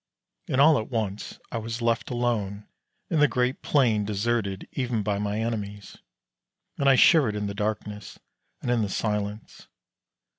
And all at once I was left alone in the great plain deserted even by my enemies, and I shivered in the darkness and in the silence.